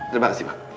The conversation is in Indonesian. terima kasih pak